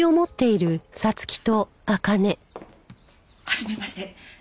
はじめまして。